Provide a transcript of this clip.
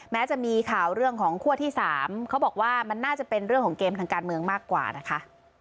แม้จะมีข่าวเรื่องของคั่วที่๓เขาบอกว่ามันน่าจะเป็นเรื่องของเกมทางการเมืองมากกว่านะคะ